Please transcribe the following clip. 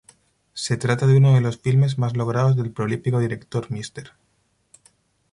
Se trata de uno de los filmes más logrados del prolífico director Mr.